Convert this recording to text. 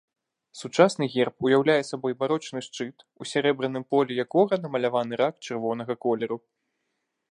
Сучасны герб уяўляе сабой барочны шчыт, у сярэбраным полі якога намаляваны рак чырвонага колеру.